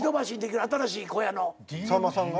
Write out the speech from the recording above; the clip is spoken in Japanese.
さんまさんが？